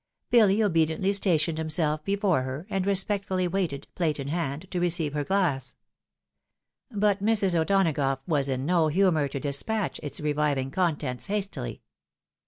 BiUy obediently stationed himself before her, and resp3ct fiiUy waited, plate in hand, to receive her glass. But Mrs. O 'Donagough was in no humour to despatch its reviving contents hastily.